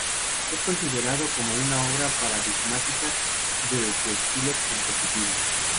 Es considerado como una obra paradigmática de su estilo compositivo.